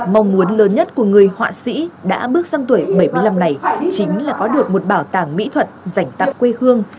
mong muốn lớn nhất của người họa sĩ đã bước sang tuổi bảy mươi năm này chính là có được một bảo tàng mỹ thuật dành tặng quê hương